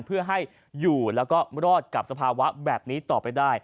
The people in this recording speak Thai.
เพื่อให้อยู่แล้วก็รอดกับสภาวะแบบนี้ต่อไปได้